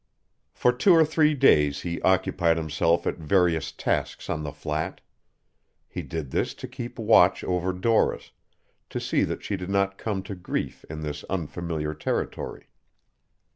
For two or three days he occupied himself at various tasks on the flat. He did this to keep watch over Doris, to see that she did not come to grief in this unfamiliar territory.